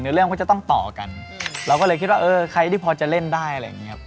เรื่องก็จะต้องต่อกันเราก็เลยคิดว่าเออใครที่พอจะเล่นได้อะไรอย่างเงี้ครับ